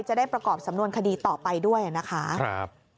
จะได้ประกอบสำนวนคดีต่อไปด้วยนะคะ